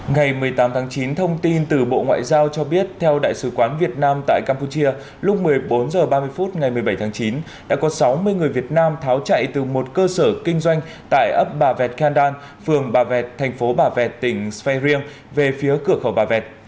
ngày một mươi tám tháng chín thông tin từ bộ ngoại giao cho biết theo đại sứ quán việt nam tại campuchia lúc một mươi bốn h ba mươi phút ngày một mươi bảy tháng chín đã có sáu mươi người việt nam tháo chạy từ một cơ sở kinh doanh tại ấp bà vẹt khandan phường bà vẹt thành phố bà vẹt tỉnh sveiring về phía cửa khẩu bà vẹt